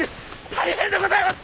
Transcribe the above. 大変でございます！